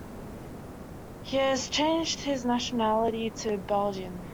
He has changed his nationality to Belgian.